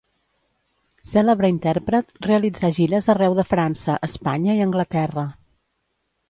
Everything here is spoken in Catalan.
Cèlebre intèrpret, realitzà gires arreu de França, Espanya i Anglaterra.